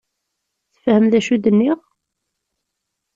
Tefhem d acu i d-nniɣ?